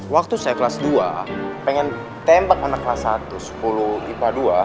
waktu saya kelas dua pengen tembak anak kelas satu sepuluh ipa dua